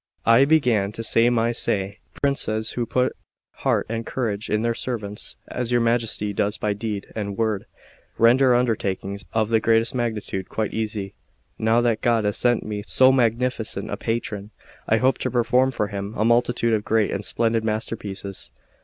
I then began to say my say: "Princes who put heart and courage in their servants, as your Majesty does by deed and word, render undertakings of the greatest magnitude quite easy. Now that God has sent me so magnificent a patron, I hope to perform for him a multitude of great and splendid master pieces."